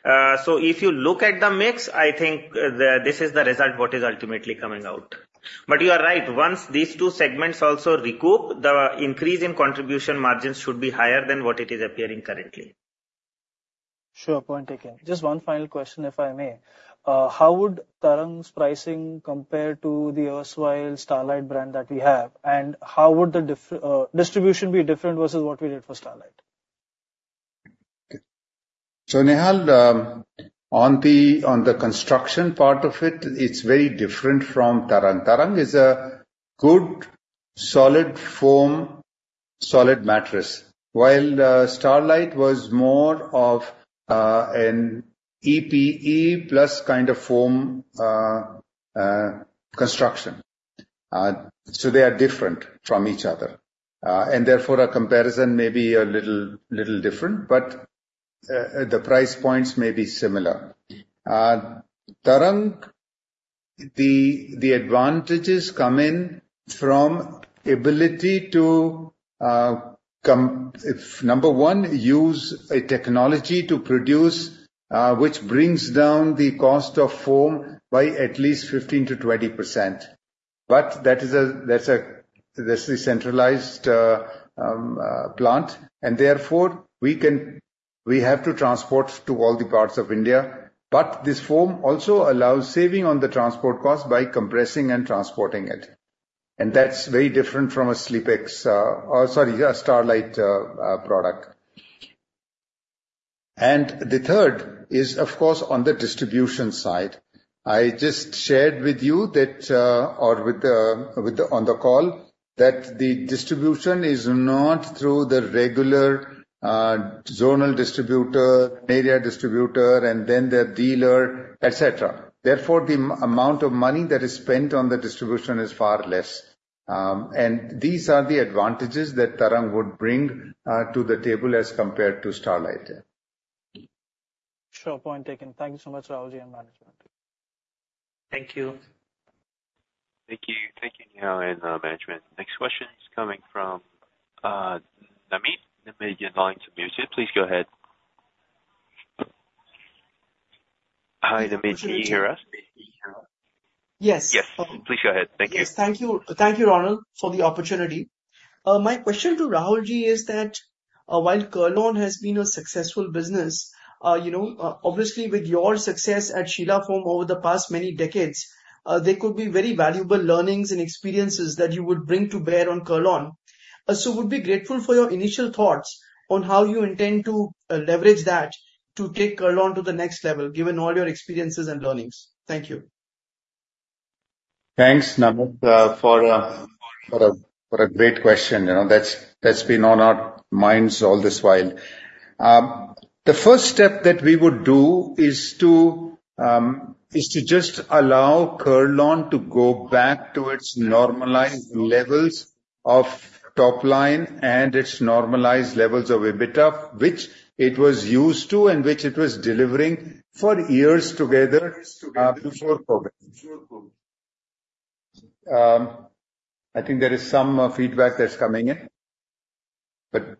If you look at the mix, I think this is the result what is ultimately coming out. But you are right. Once these two segments also recoup, the increase in contribution margins should be higher than what it is appearing currently. Sure. Point taken. Just one final question, if I may. How would Tarang's pricing compare to the erstwhile Starlite brand that we have? And how would the diff distribution be different versus what we did for Starlite? Okay. So, Nihal, on the construction part of it, it's very different from Tarang. Tarang is a good, solid foam, solid mattress, while Starlite was more of an EPE-plus kind of foam construction. So they are different from each other. And therefore, a comparison may be a little different, but the price points may be similar. Tarang, the advantages come in from ability to number one, use a technology to produce, which brings down the cost of foam by at least 15%-20%. But that is a centralized plant. And therefore, we have to transport to all the parts of India. But this foam also allows saving on the transport cost by compressing and transporting it. And that's very different from a SleepX, or sorry, a Starlite product. The third is, of course, on the distribution side. I just shared with you that, or with the on the call, that the distribution is not through the regular, zonal distributor, area distributor, and then the dealer, etc. Therefore, the amount of money that is spent on the distribution is far less. These are the advantages that Tarang would bring to the table as compared to Starlite. Sure. Point taken. Thank you so much, Rahul, and management. Thank you. Thank you. Thank you, Nihal and management. Next question's coming from Namit. Namit, you're muted. Please go ahead. Hi, Namit. Can you hear us? Yes. Yes. Please go ahead. Thank you. Yes. Thank you. Thank you, Ronald, for the opportunity. My question to Rahul is that, while Kurlon has been a successful business, you know, obviously, with your success at Sheela Foam over the past many decades, there could be very valuable learnings and experiences that you would bring to bear on Kurlon. So we'd be grateful for your initial thoughts on how you intend to leverage that to take Kurlon to the next level, given all your experiences and learnings. Thank you. Thanks, Namit, for a great question, you know. That's been on our minds all this while. The first step that we would do is to just allow Kurlon to go back to its normalized levels of top line and its normalized levels of EBITDA, which it was used to and which it was delivering for years together, before COVID. I think there is some feedback that's coming in. But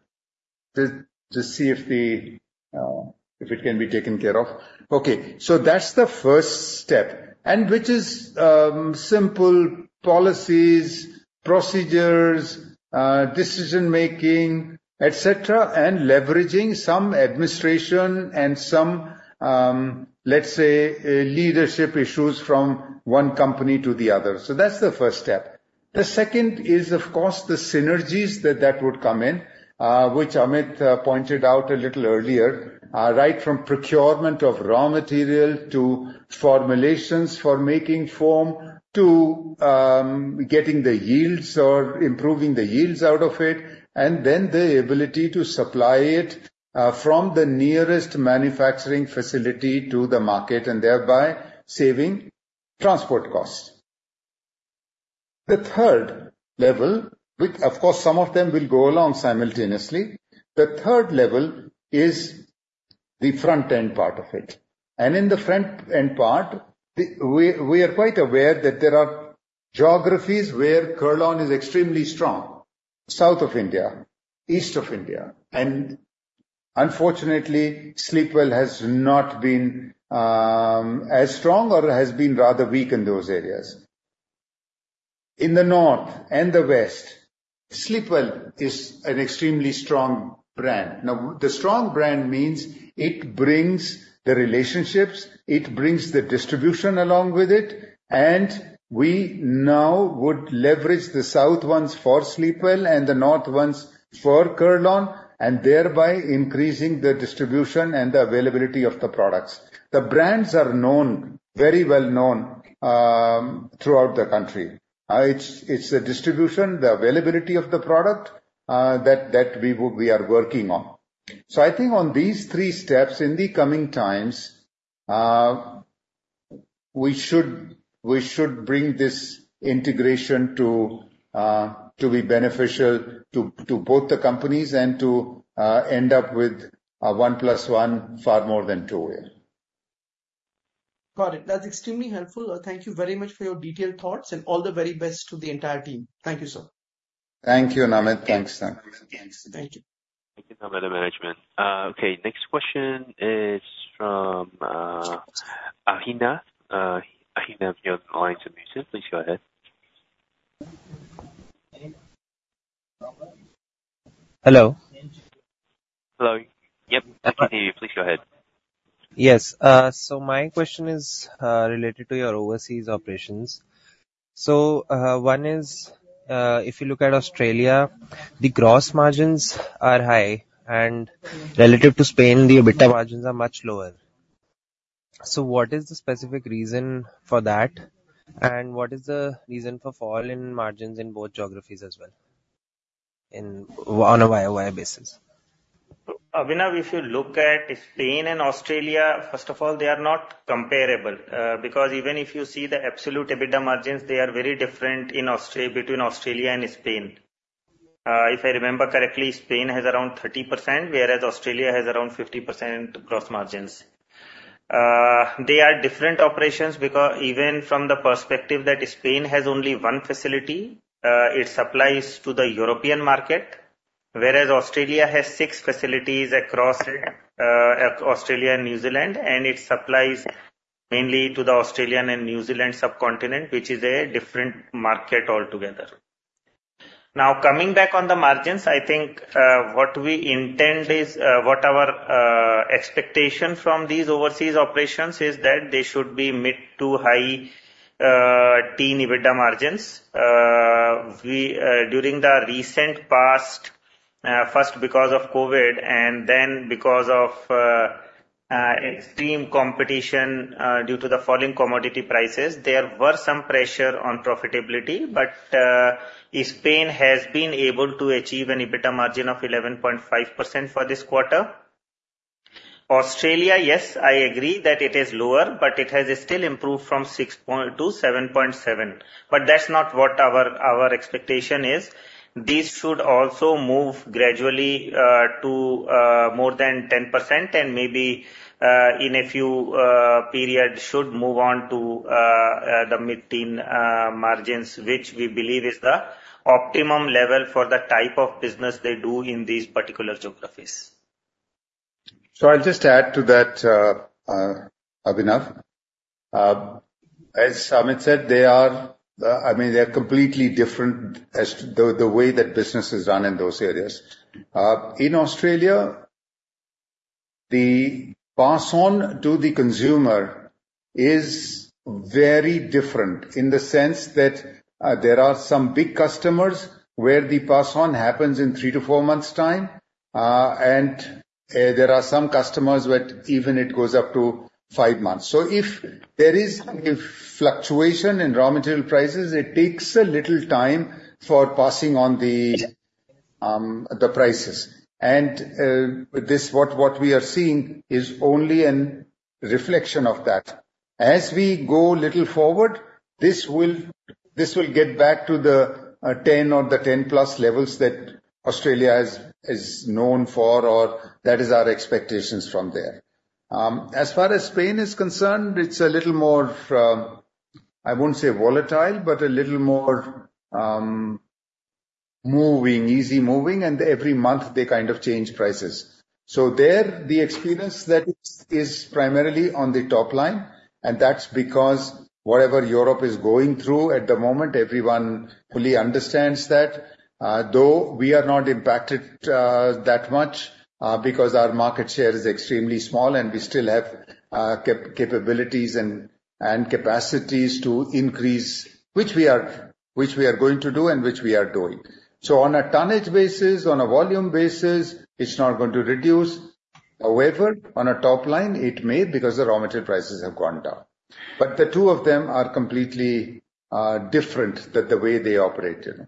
just see if it can be taken care of. Okay. So that's the first step, and which is simple policies, procedures, decision-making, etc., and leveraging some administration and some, let's say, leadership issues from one company to the other. So that's the first step. The second is, of course, the synergies that that would come in, which Amit pointed out a little earlier, right from procurement of raw material to formulations for making foam to getting the yields or improving the yields out of it, and then the ability to supply it from the nearest manufacturing facility to the market and thereby saving transport costs. The third level, which, of course, some of them will go along simultaneously, is the front-end part of it. In the front-end part, we are quite aware that there are geographies where Kurlon is extremely strong: south of India, east of India. Unfortunately, Sleepwell has not been as strong or has been rather weak in those areas. In the north and the west, Sleepwell is an extremely strong brand. Now, the strong brand means it brings the relationships. It brings the distribution along with it. We now would leverage the south ones for Sleepwell and the north ones for Kurlon, and thereby increasing the distribution and the availability of the products. The brands are known, very well known, throughout the country. It's the distribution, the availability of the product, that we are working on. So I think on these three steps, in the coming times, we should bring this integration to be beneficial to both the companies and end up with a one-plus-one far more than two-way. Got it. That's extremely helpful. Thank you very much for your detailed thoughts. All the very best to the entire team. Thank you, sir. Thank you, Namit. Thanks. Thanks. Thank you. Thank you, Namit and management. Okay. Next question is from Abhinav. Abhinav, if you're on the line, you're muted. Please go ahead. Hello. Hello. Yep. I can hear you. Please go ahead. Yes. So my question is, related to your overseas operations. So, one is, if you look at Australia, the gross margins are high. And relative to Spain, the EBITDA margins are much lower. So what is the specific reason for that? And what is the reason for fall in margins in both geographies as well, on a YoY basis? Abhinav, if you look at Spain and Australia, first of all, they are not comparable, because even if you see the absolute EBITDA margins, they are very different in Australia between Australia and Spain. If I remember correctly, Spain has around 30%, whereas Australia has around 50% gross margins. They are different operations because even from the perspective that Spain has only one facility, it supplies to the European market, whereas Australia has 6 facilities across Australia and New Zealand. And it supplies mainly to the Australian and New Zealand subcontinent, which is a different market altogether. Now, coming back on the margins, I think what we intend is what our expectation from these overseas operations is that they should be mid- to high-teens EBITDA margins. We, during the recent past, first because of COVID and then because of, extreme competition, due to the falling commodity prices, there were some pressure on profitability. But, Spain has been able to achieve an EBITDA margin of 11.5% for this quarter. Australia, yes, I agree that it is lower, but it has still improved from 6.0%-7.7%. But that's not what our, our expectation is. These should also move gradually, to, more than 10%. And maybe, in a few, period, should move on to, the mid-teen, margins, which we believe is the optimum level for the type of business they do in these particular geographies. So I'll just add to that, Abhinav. As Amit said, they are the, I mean, they're completely different as to the, the way that business is run in those areas. In Australia, the pass-on to the consumer is very different in the sense that, there are some big customers where the pass-on happens in 3-4 months' time. And, there are some customers where even it goes up to 5 months. So if there is a fluctuation in raw material prices, it takes a little time for passing on the, the prices. And, with this, what, what we are seeing is only a reflection of that. As we go a little forward, this will, this will get back to the, 10 or 10+ levels that Australia is, is known for, or that is our expectations from there. As far as Spain is concerned, it's a little more. I won't say volatile, but a little more moving, easy-moving. And every month, they kind of change prices. So there, the experience that is, is primarily on the top line. And that's because whatever Europe is going through at the moment, everyone fully understands that, though we are not impacted that much, because our market share is extremely small. And we still have capabilities and capacities to increase, which we are going to do and which we are doing. So on a tonnage basis, on a volume basis, it's not going to reduce. However, on a top line, it may because the raw material prices have gone down. But the two of them are completely different than the way they operate, you know.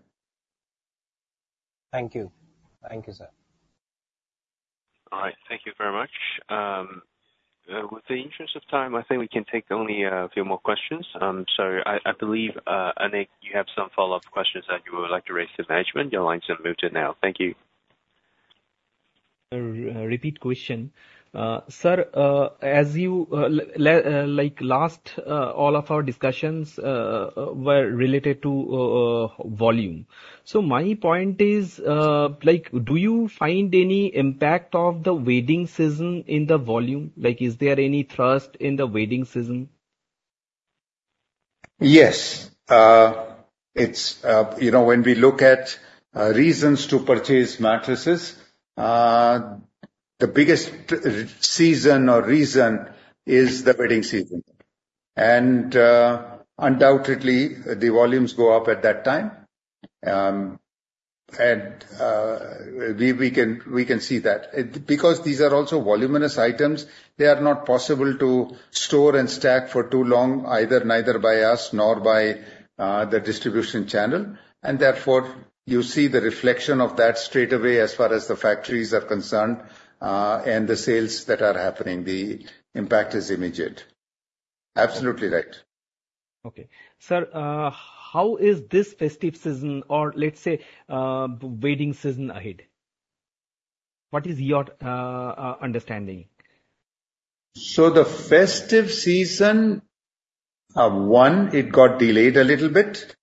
Thank you. Thank you, sir. All right. Thank you very much. With the interest of time, I think we can take only a few more questions. So I, I believe, Anik, you have some follow-up questions that you would like to raise to management. Your lines have moved to now. Thank you. Repeat question. Sir, as you let, like last, all of our discussions were related to volume. So my point is, like, do you find any impact of the wedding season in the volume? Like, is there any thrust in the wedding season? Yes. It's, you know, when we look at reasons to purchase mattresses, the biggest season or reason is the wedding season. Undoubtedly, the volumes go up at that time. And we can see that. It's because these are also voluminous items; they are not possible to store and stack for too long, either by us nor by the distribution channel. And therefore, you see the reflection of that straight away as far as the factories are concerned, and the sales that are happening. The impact is immediate. Absolutely right. Okay. Sir, how is this festive season or, let's say, buying season ahead? What is your understanding? So the festive season, it got delayed a little bit.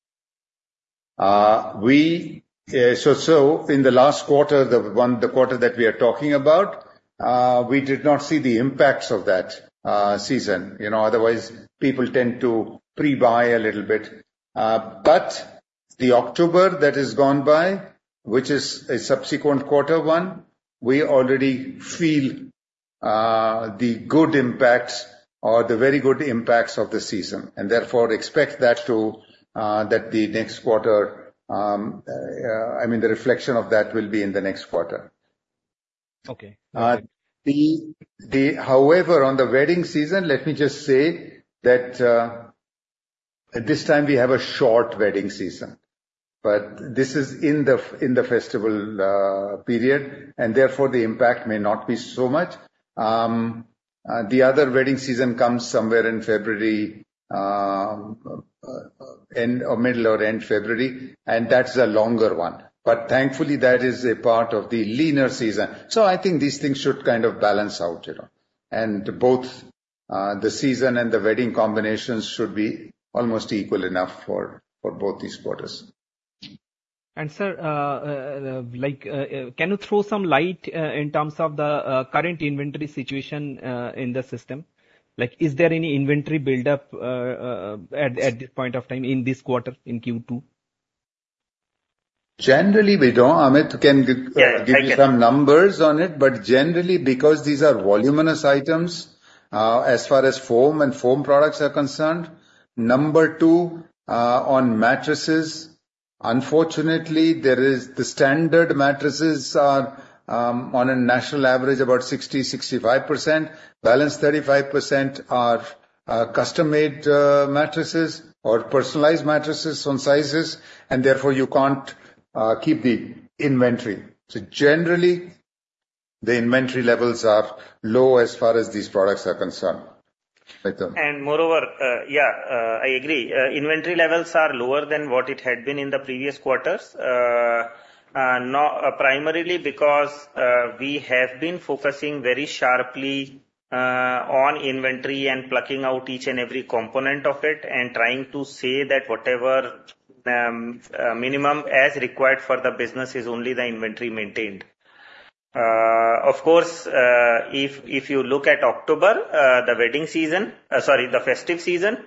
So in the last quarter, the quarter that we are talking about, we did not see the impacts of that season, you know. Otherwise, people tend to pre-buy a little bit. But the October that has gone by, which is a subsequent quarter, we already feel the good impacts or the very good impacts of the season. And therefore, expect that, that the next quarter, I mean, the reflection of that will be in the next quarter. Okay. However, on the wedding season, let me just say that, at this time, we have a short wedding season. But this is in the festival period. And therefore, the impact may not be so much. The other wedding season comes somewhere in February, end or middle or end February. And that's a longer one. But thankfully, that is a part of the leaner season. So I think these things should kind of balance out, you know. And both, the season and the wedding combinations should be almost equal enough for, for both these quarters. Sir, like, can you throw some light in terms of the current inventory situation in the system? Like, is there any inventory buildup at this point of time in this quarter, in Q2? Generally, we don't. Amit can give you some numbers on it. But generally, because these are voluminous items, as far as foam and foam products are concerned, number two, on mattresses, unfortunately, the standard mattresses are, on a national average, about 60%-65%. Balance 35% are custom-made mattresses or personalized mattresses on sizes. And therefore, you can't keep the inventory. So generally, the inventory levels are low as far as these products are concerned. Right, though. And moreover, yeah, I agree. Inventory levels are lower than what it had been in the previous quarters, no, primarily because we have been focusing very sharply on inventory and plucking out each and every component of it and trying to say that whatever minimum as required for the business is only the inventory maintained. Of course, if, if you look at October, the wedding season, sorry, the festive season,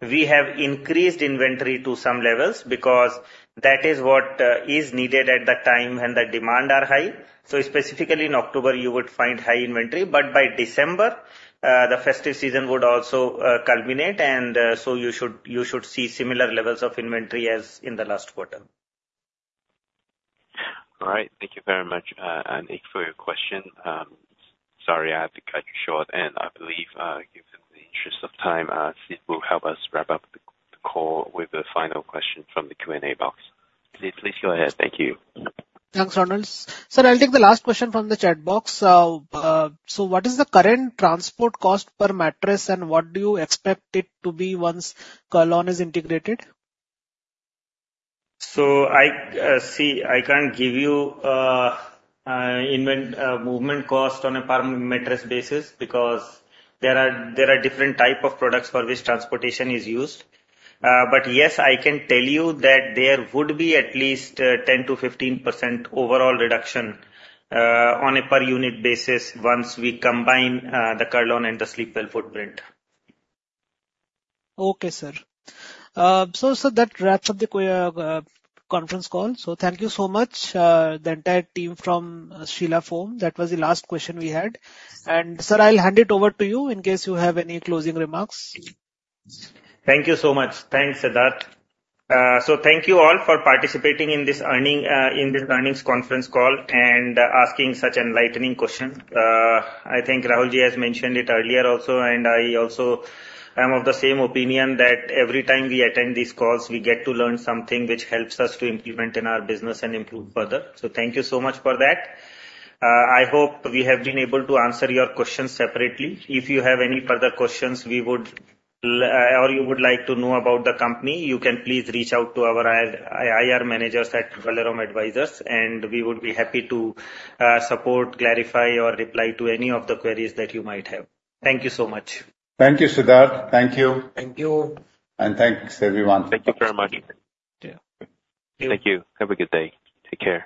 we have increased inventory to some levels because that is what is needed at that time when the demand are high. So specifically in October, you would find high inventory. But by December, the festive season would also culminate. And so you should, you should see similar levels of inventory as in the last quarter. All right. Thank you very much, Anik, for your question. Sorry, I had to cut you short. And I believe, given the interest of time, Sid will help us wrap up the call with a final question from the Q&A box. Sid, please go ahead. Thank you. Thanks, Ronald. Sir, I'll take the last question from the chat box. So what is the current transport cost per mattress? And what do you expect it to be once Kurlon is integrated? So, see, I can't give you inward movement cost on a per mattress basis because there are different type of products for which transportation is used. But yes, I can tell you that there would be at least 10%-15% overall reduction on a per-unit basis once we combine the Kurlon and the Sleepwell footprint. Okay, sir. So, so that wraps up the Q&A conference call. So thank you so much, the entire team from Sheela Foam. That was the last question we had. And sir, I'll hand it over to you in case you have any closing remarks. Thank you so much. Thanks, Siddhartha. So thank you all for participating in this earning, in this earnings conference call and asking such enlightening questions. I think Rahul has mentioned it earlier also. I also am of the same opinion that every time we attend these calls, we get to learn something which helps us to implement in our business and improve further. So thank you so much for that. I hope we have been able to answer your questions separately. If you have any further questions, we would like or you would like to know about the company, you can please reach out to our IR managers at Valorem Advisors. We would be happy to support, clarify, or reply to any of the queries that you might have. Thank you so much. Thank you, Siddhartha. Thank you. Thank you. Thanks, everyone. Thank you very much. Yeah. Thank you. Have a good day. Take care.